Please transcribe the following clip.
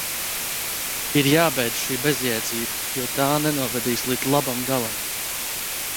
Ir jābeidz šī bezjēdzība, jo tā nenovedīs līdz labam galam!